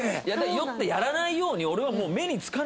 酔ってやらないように俺はもう。